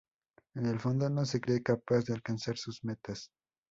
En el fondo, no se cree capaz de alcanzar sus metas.